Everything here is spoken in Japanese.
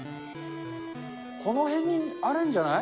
この辺にあるんじゃない？